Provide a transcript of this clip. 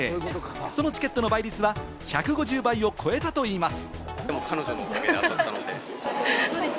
そのチケットの倍率は１５０倍を超えたといいます。